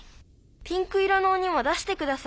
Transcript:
「ピンク色のおにも出してください」。